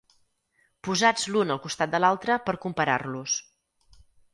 Posats l'un al costat de l'altre per comparar-los.